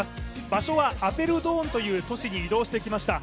場所はアペルドールンという都市に移動してきました。